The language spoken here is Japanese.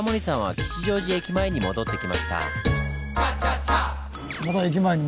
吉祥寺駅に戻ってきました。